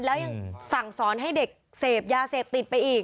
แล้วยังสั่งสอนให้เด็กเสพยาเสพติดไปอีก